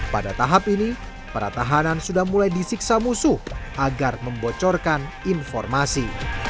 pada tahap ini para tahanan sudah mulai disiksa musuh agar membocorkan informasi